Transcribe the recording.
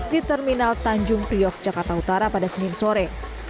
di terminal tanjung priok jakarta utara pada senin sore